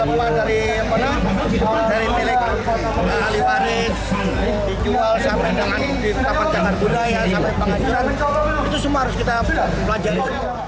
sampai pengajian itu semua harus kita pelajari